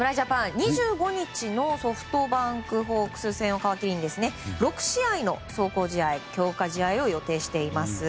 ２５日のソフトバンクホークス戦を皮切りに６試合の壮行試合・強化試合を予定しています。